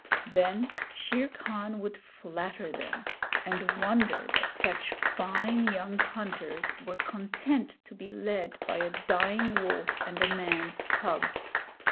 Then Shere Khan would flatter them and wonder that such fine young hunters were content to be led by a dying wolf and a man's cub.